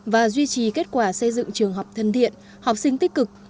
và duy trì kết quả xây dựng trường học thân thiện học sinh tích cực